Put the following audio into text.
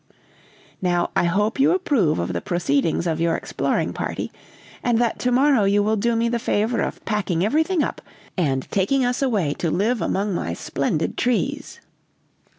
"Now I hope you approve of the proceedings of your exploring party, and that to morrow you will do me the favor of packing everything up, and taking us away to live among my splendid trees."